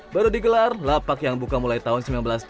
baru digelar lapak yang buka mulai tahun seribu sembilan ratus tujuh puluh